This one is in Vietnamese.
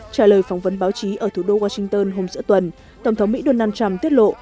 trả lời phỏng vấn báo chí ở thủ đô washington hôm giữa tuần tổng thống mỹ donald trump tiết lộ